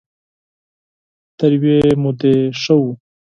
تر يوې مودې ښه وو.